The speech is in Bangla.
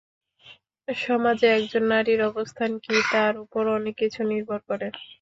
সমাজে একজন নারীর অবস্থান কী, তার ওপর অনেক কিছু নির্ভর করে।